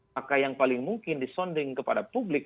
maka yang paling mungkin disonding kepada publik